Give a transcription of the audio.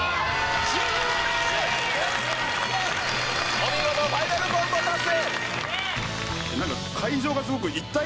お見事ファイナルコンボ達成！